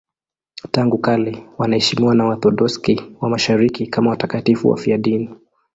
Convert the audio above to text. Tangu kale wanaheshimiwa na Waorthodoksi wa Mashariki kama watakatifu wafiadini.